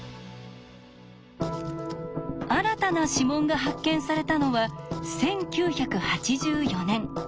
新たな指紋が発見されたのは１９８４年。